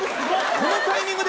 このタイミングで。